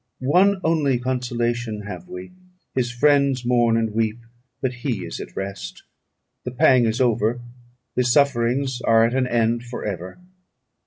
one only consolation have we; his friends mourn and weep, but he is at rest. The pang is over, his sufferings are at an end for ever.